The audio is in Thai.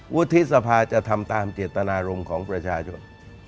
วุฒิสภาจะทำตามเจตนารมณ์ของประชาชน